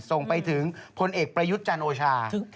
ส่งไปถึงพลเอกประยุทธ์จันทร์โอชา